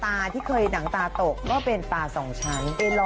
ที่เคยหนังตาตกก็เป็นตาสองชั้น